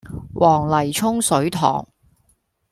黃泥涌水塘